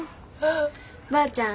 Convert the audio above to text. ばあちゃん